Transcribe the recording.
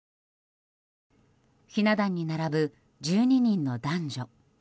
ひな壇に並ぶ１２人の男女。